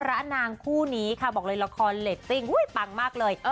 พระนางคู่นี้ค่ะบอกเลยละครเลตติ้งอุ้ยปังมากเลยเออ